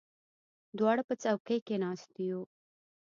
دواړه په څوکۍ کې ناست یو.